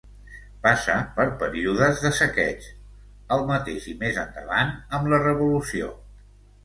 Passa per períodes de saqueig, al mateix i més endavant amb la Revolució.